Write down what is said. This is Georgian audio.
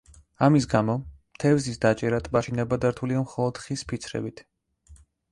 ამის გამო, თევზის დაჭერა ტბაში ნებადართულია მხოლოდ ხის ფიცრებით.